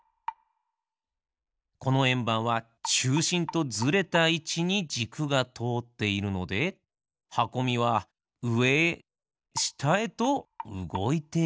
このえんばんはちゅうしんとずれたいちにじくがとおっているのではこみはうえへしたへとうごいているんですね。